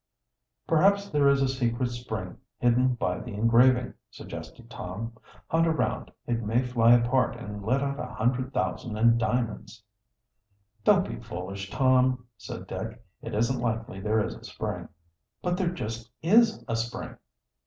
"Perhaps there is a secret spring hidden by the engraving," suggested Tom. "Hunt around. It may fly apart and let out a hundred thousand in diamonds." "Don't be foolish, Tom," said Dick. "It isn't likely there is a spring." "But there just is a spring!"